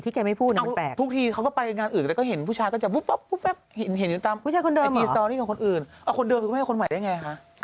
แต่ก็คือเขาก็ไม่เห็นแปลกก็ไปได้ไง